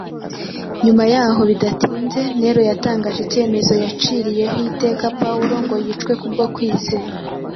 Nyuma y’aho bidatinze Nero yatangaje icyemezo cyaciriyeho iteka Pawulo ngo yicwe kubwo kwizera.